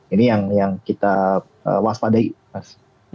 ini yang kita waspadai mas